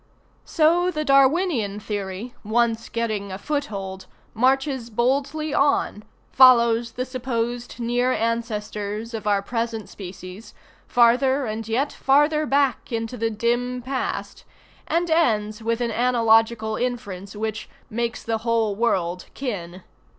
So the Darwinian theory, once getting a foothold, marches boldly on, follows the supposed near ancestors of our present species farther and yet farther back into the dim past, and ends with an analogical inference which "makes the whole world kin."